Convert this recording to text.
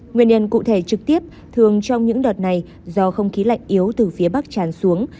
nguyên nhân cụ thể trực tiếp thường trong những đợt này do không khí lạnh yếu từ phía bắc tràn xuống